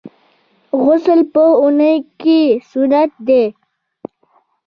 غسل په اونۍ کي سنت دی.